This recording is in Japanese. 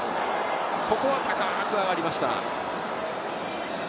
ここは高く上がりました。